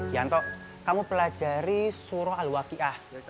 yanto kamu pelajari surah al wakiah